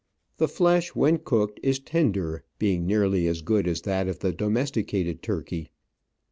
The flesh, when cooked, is tender, being nearly as good as that of the domesticated turkey.